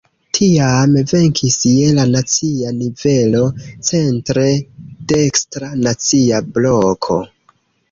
Tiam venkis je la nacia nivelo centre dekstra "Nacia Bloko".